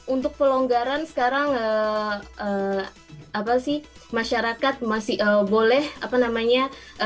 untuk pelonggaran sekarang apa sih masyarakat masih boleh apa namanya